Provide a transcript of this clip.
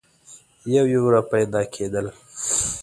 یو یو را پیدا کېدل.